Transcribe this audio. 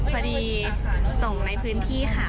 พอดีส่งในพื้นที่ค่ะ